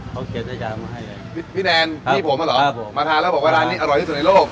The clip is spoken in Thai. เขาเขียนด้วยยามาให้เลยพี่แนนพี่ผมอ่ะเหรอครับผมมาทานแล้วบอกว่าร้านนี้อร่อยที่สุดในโลก